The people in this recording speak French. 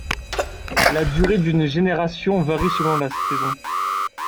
La durée d’une génération varie selon la saison.